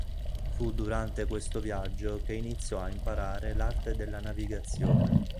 Fu durante questo viaggio che iniziò a imparare l’arte della navigazione.